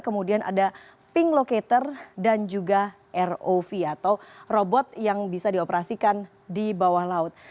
kemudian ada ping locator dan juga rov atau robot yang bisa dioperasikan di bawah laut